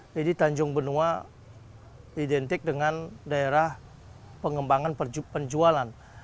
jadi tanjung benoa identik dengan daerah pengembangan penjualan